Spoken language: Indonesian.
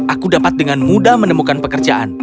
aku dapat dengan mudah menemukan pekerjaan